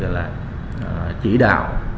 là chỉ đạo